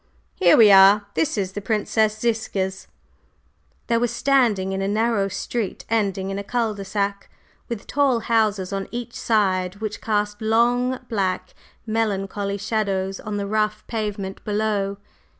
Here we are; this is the Princess Ziska's." They were standing in a narrow street ending in a cul de sac, with tall houses on each side which cast long, black, melancholy shadows on the rough pavement below.